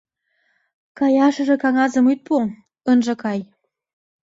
Каяшыже кагазым ит пу, ынже кай.